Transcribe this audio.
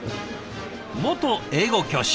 元英語教師。